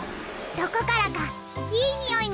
どこからかいい匂いがするぞ。